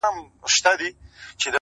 توري پښې توري مشوکي بد مخونه؛